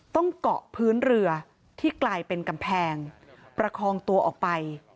ต้องเกาะพื้นเรือที่กลายเป็นกำแพงประคองตัวออกไป